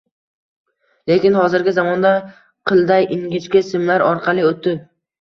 Lekin hozirgi zamonda qilday ingichka simlar orqali o‘tib